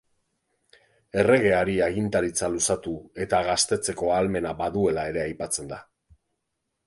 Erregeari agintaritza luzatu eta gaztetzeko ahalmena baduela ere aipatzen da.